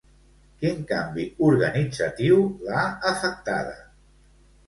Quin canvi organitzatiu l'ha afectada?